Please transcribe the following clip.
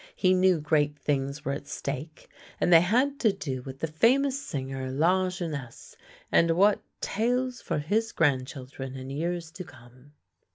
He knew great things were at stake, and they had to do with the famous singer La jeunesse; and what tales for his grandchildren in years to come!